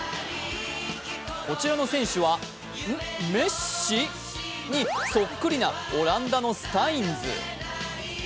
こちらの選手はうん、メッシ？にそっくりなオランダのスタインズ。